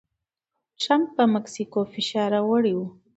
ټرمپ پر مکسیکو فشار راوړی و.